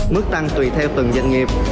mức tăng tùy theo từng doanh nghiệp